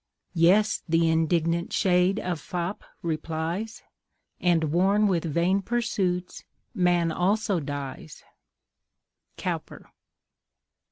'Yes,' the indignant shade of Fop replies, 'And worn with vain pursuits, man also dies.'" COWPER.